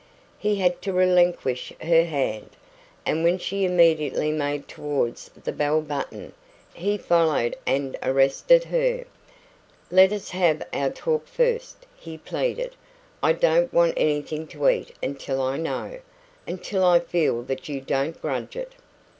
He had to relinquish her hand, and when she immediately made towards the bell button, he followed and arrested her. "Let us have our talk first," he pleaded. "I don't want anything to eat until I know until I feel that you don't grudge it."